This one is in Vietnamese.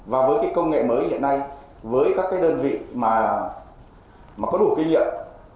và với cái công nghệ mới hiện nay với các cái đơn vị mà có đủ kinh nghiệm